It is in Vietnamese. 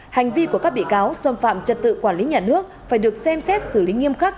hành vi của các bị cáo xâm phạm trật tự quản lý nhà nước phải được xem xét xử lý nghiêm khắc